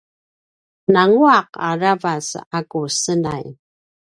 nguaq aravac a ku senay